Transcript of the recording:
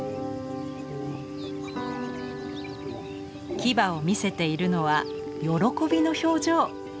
牙を見せているのは喜びの表情。